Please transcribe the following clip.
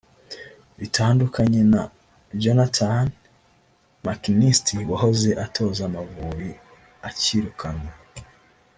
Bitandukanye na Jonathan Mckinstry wahoze atoza Amavubi akirukanwa